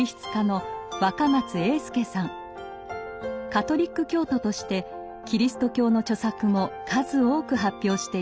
カトリック教徒としてキリスト教の著作も数多く発表しています。